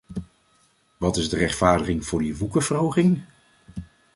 Wat is de rechtvaardiging voor die woekerverhoging?